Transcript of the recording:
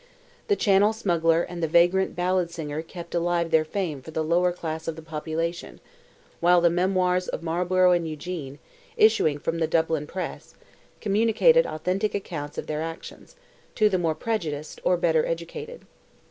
The channel smuggler and the vagrant ballad singer kept alive their fame for the lower class of the population, while the memoirs of Marlborough and Eugene, issuing from the Dublin press, communicated authentic accounts of their actions, to the more prejudiced, or better educated.